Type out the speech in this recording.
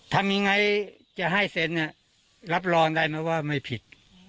ทำยังไงจะให้เซ็นรับรองได้บอกว่าไม่ผิด